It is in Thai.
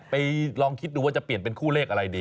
ลองคิดดูว่าจะเปลี่ยนเป็นคู่เลขอะไรดี